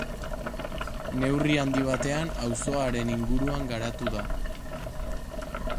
Neurri handi batean auzoa haren inguruan garatu da.